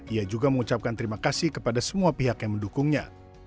ia juga mengucapkan terima kasih kepada semua pihak yang mendukungnya